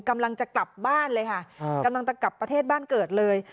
กำลังจะกลับบ้านเลยค่ะกำลังจะกลับประเทศบ้านเกิดเลย